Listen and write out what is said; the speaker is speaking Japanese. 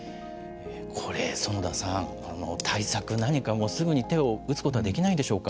これ、園田さん対策、何かすぐに手を打つことはできないんでしょうか。